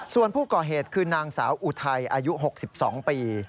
ส่วนผู้ก่อเหตุคือนางสาวอุทัยอายุ๖๒ปี